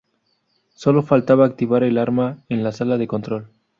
Sólo faltaba activar el arma en la sala de control.